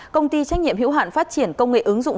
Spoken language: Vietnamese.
công ty trách nhiệm hiểu hạn phát triển công nghệ ứng dụng